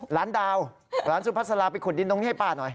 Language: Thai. หลานดาวหลานสุภาษาลาไปขุดดินตรงนี้ให้ป้าหน่อย